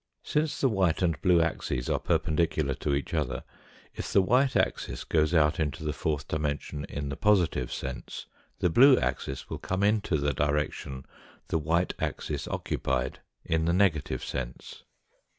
Since the white and blue axes are perpen dicular to each other, if the white axis goes out into the fourth dimension in the positive sense, the blue axis will come into the direction the white axis occupied, in the negative sense.